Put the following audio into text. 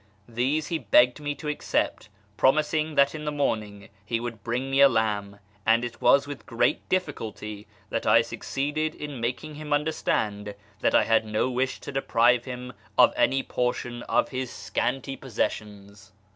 These he begged me to accej)t, promis ing that in the morning he would bring me a lamb ; and it was with great difficulty that I succeeded in making him understand that I had no wish to deprive him of any portion of his scanty possessions.